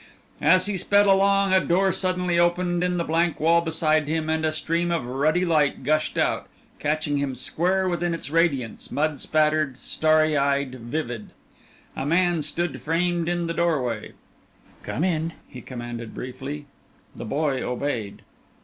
As he sped along a door suddenly opened in the blank wall beside him, and a stream of ruddy light gushed out, catching him square within its radiance, mud spattered, starry eyed, vivid. A man stood framed in the doorway. "Come in," he commanded, briefly. The boy obeyed.